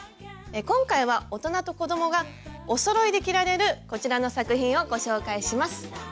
今回は大人と子どもがおそろいで着られるこちらの作品をご紹介します。